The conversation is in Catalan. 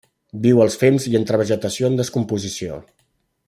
Viu als fems i entre vegetació en descomposició.